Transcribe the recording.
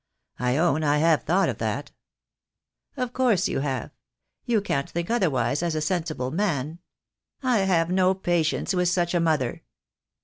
"I own I have thought that." "Of course you have. You can't think otherwise as a sensible man. I have no patience with such a mother.